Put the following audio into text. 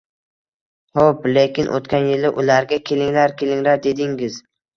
Hop, lekin o‘tgan yili ularga kelinglar kelinglar dedingiz